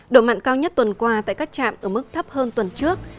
độ mặn cao nhất tuần qua tại các trạm ở mức thấp hơn tuần trước